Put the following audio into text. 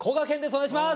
お願いします。